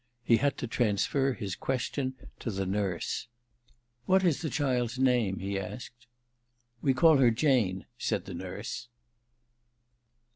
He had to transfer his question to the nurse. * What is the child's name f ' he asked. * We call her Jane,' said the nurse.